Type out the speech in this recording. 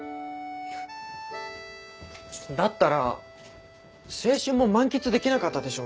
だったら青春も満喫できなかったでしょうね。